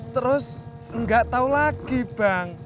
terus gak tau lagi bang